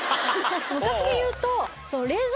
昔でいうと。